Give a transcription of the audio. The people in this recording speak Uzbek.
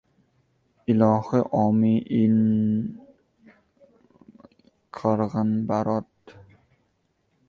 — Ilohi omi-i-in! Illo-billo qirg‘inbarot bo‘lmasin, ollohu akbar! — deganmish.